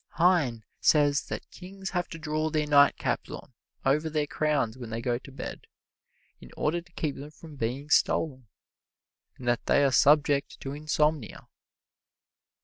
Heine says that kings have to draw their nightcaps on over their crowns when they go to bed, in order to keep them from being stolen, and that they are subject to insomnia.